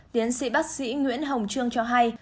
tiến sĩ bác sĩ nguyễn hồng trương cho hay